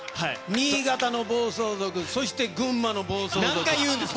新潟の暴走族、そして群馬の暴走族。